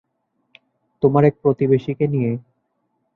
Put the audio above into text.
তোমার এক প্রতিবেশীকে নিয়ে।